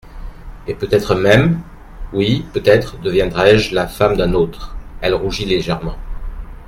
Et peut-être même … oui, peut-être deviendrai-je la femme d'un autre.» Elle rougit légèrement.